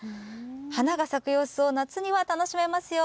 花が咲く様子を夏には楽しめますよ。